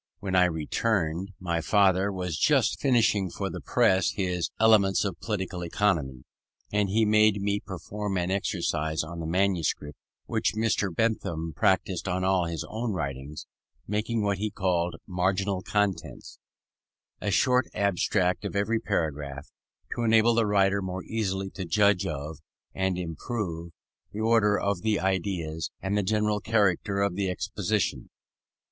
When I returned, my father was just finishing for the press his Elements of Political Economy, and he made me perform an exercise on the manuscript, which Mr. Bentham practised on all his own writings, making what he called "marginal contents"; a short abstract of every paragraph, to enable the writer more easily to judge of, and improve, the order of the ideas, and the general character of the exposition.